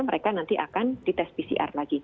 mereka nanti akan di tes pcr lagi